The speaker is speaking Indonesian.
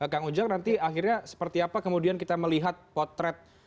kang ujang nanti akhirnya seperti apa kemudian kita melihat potret